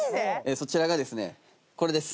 そちらがですねこれです。